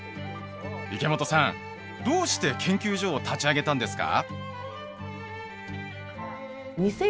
池本さんどうして研究所を立ち上げたんですか？